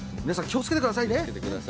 皆さん、気をつけてくださいね。